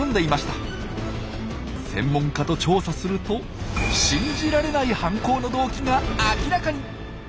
専門家と調査すると信じられない犯行の動機が明らかに！